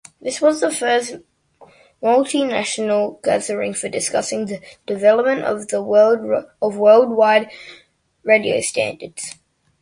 This was the first multinational gathering for discussing the development of worldwide radio standards.